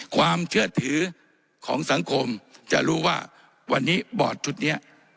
ความเชื่อถือของสังคมจะรู้ว่าวันนี้บอร์ดชุดนี้